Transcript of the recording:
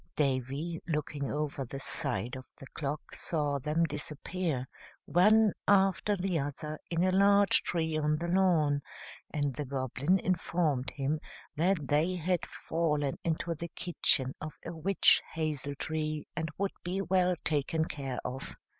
Davy, looking over the side of the clock, saw them disappear, one after the other, in a large tree on the lawn, and the Goblin informed him that they had fallen into the kitchen of a witch hazel tree, and would be well taken care of.